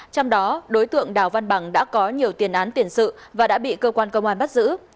trong đó đối tượng đào văn bằng đã có nhiều tiền án tiền sự và đã bị cơ quan công an bắt giữ